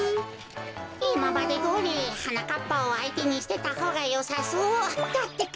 いままでどおりはなかっぱをあいてにしてたほうがよさそうだってか。